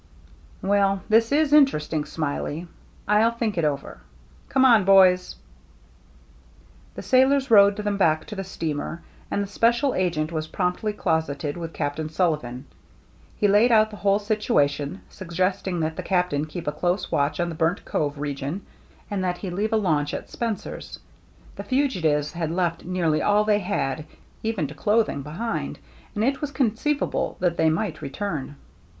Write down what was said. " Well, this is interesting, Smiley. I'll think it over. Come on, boys." The sailors rowed them back to the steamer ; and the special agent was promptly closeted with Captain Sullivan. He laid out the whole situation, suggesting that the Captain keep a close watch on the Burnt Cove region and that he leave a launch at Spencer's. The fugitives had left nearly all they had, even to cloth ing, behind, and it was conceivable that they might return.